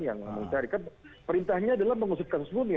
yang mencari kan perintahnya adalah mengusirkan sesungguhnya